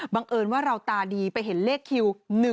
เอิญว่าเราตาดีไปเห็นเลขคิว